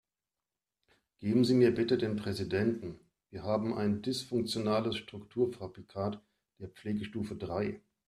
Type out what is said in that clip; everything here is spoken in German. Geben Sie mir bitte den Präsidenten, wir haben ein dysfunktionales Strukturfabrikat der Pflegestufe drei.